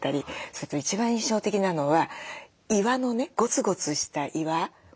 それと一番印象的なのは岩のねゴツゴツした岩この荒々しい感じ。